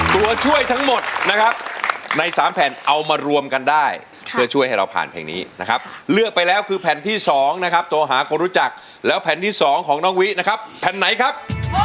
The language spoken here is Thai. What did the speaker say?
ตัวช่วยทั้งหมดนะครับใน๓แผ่นเอามารวมกันได้เพื่อช่วยให้เราผ่านเพลงนี้นะครับเลือกไปแล้วคือแผ่นที่๒นะครับโทรหาคนรู้จักแล้วแผ่นที่๒ของน้องวินะครับแผ่นไหนครับ